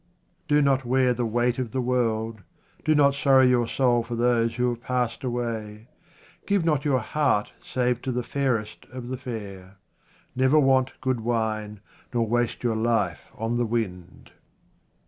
Do not wear the weight of the world, do not sorrow your soul for those who have passed away. Give not your heart save to the fairest of the fair. Never want good wine, nor waste your life on the wind.